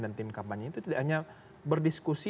dan tim kampanye itu tidak hanya berdiskusi